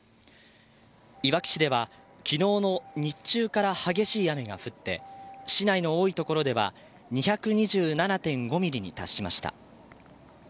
いわき市では昨日の日中から激しい雨が降って市内の多い所では２２７．５ｍｍに達しました。